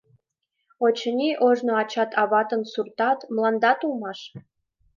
Очыни, ожно ачат-аватын суртат, мландат улмаш?